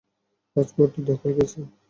আজ বড্ড ধকল গেছে।